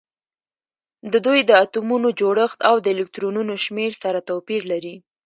د دوی د اتومونو جوړښت او د الکترونونو شمیر سره توپیر لري